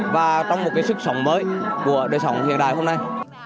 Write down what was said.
và trong một cái sức sống mới của đời sống hiện đại hôm nay